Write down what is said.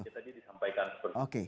seperti tadi disampaikan